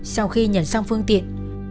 sau khi nhận xong phương tiện